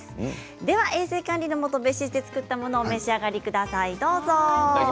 では衛生管理のもと別室で調理したものをお召し上がりください。